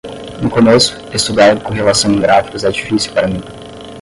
No começo, estudar correlação em gráficos é difícil para mim.